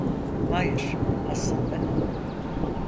Hayır, aslında…